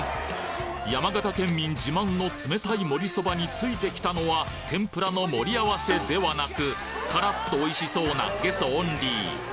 山形県民自慢の冷たい盛りそばに付いてきたのは天ぷらの盛り合わせではなくカラっとおしそうなゲソオンリー